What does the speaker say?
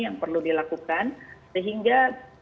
yang perlu dilakukan sehingga